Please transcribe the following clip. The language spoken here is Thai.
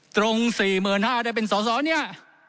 ตรง๔๕๐๐ได้เป็นสอสอเนี่ย